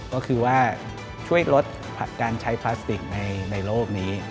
ก็คือว่าช่วยลดการใช้พลาสติกในโลกนี้